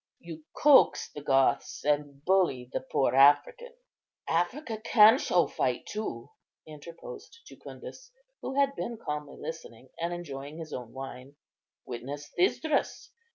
You coax the Goths and bully the poor African." "Africa can show fight, too," interposed Jucundus, who had been calmly listening and enjoying his own wine; "witness Thysdrus.